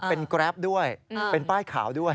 เป็นแกรปด้วยเป็นป้ายขาวด้วย